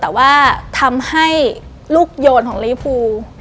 แต่ว่าทำให้ลูกโยนของเรื้อผู้